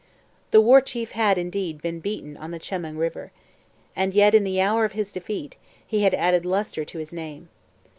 The War Chief had, indeed, been beaten on the Chemung river. And yet, in the hour of defeat, he had added lustre to his name.